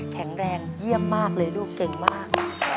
แข็งแรงเยี่ยมมากเลยลูกเก่งมาก